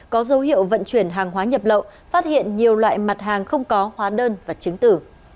có dấu hiệu vận chuyển hàng hóa nhập lậu phát hiện nhiều loại mặt hàng không có hóa đơn và chứng tử